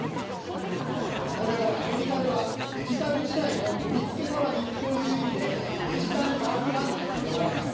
これをアメリカでは、デジタル時代の取り付け騒ぎという意味でデジタル・バンク・ランと呼ばれます。